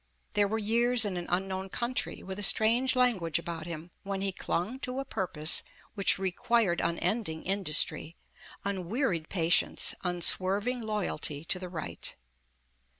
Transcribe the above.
There were years in an unknown coun 304 Gathering the Threads try, with a strange language about him, when he clung to a purpose which required unending industry, un wearied patience, unswerving loyalty to the right.